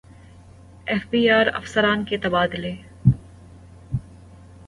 F B R افسران کے تبادلے